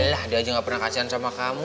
elah dia juga gak pernah kasihan sama kamu